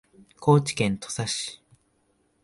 高知県土佐市